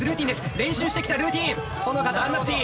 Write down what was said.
練習してきたルーティーン！